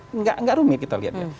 tidak rumit kita lihatnya